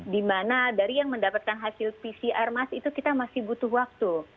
dimana dari yang mendapatkan hasil pcr mas itu kita masih butuh waktu